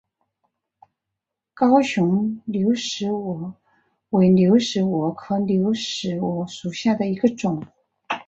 高雄流石蛾为流石蛾科流石蛾属下的一个种。